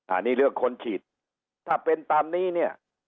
อันนี้เรื่องคนฉีดถ้าเป็นตามนี้เนี่ย